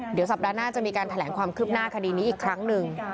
เดี๋ยวสัปดาห์หน้าจะมีการแถลงความคืบหน้าคดีนี้อีกครั้งหนึ่ง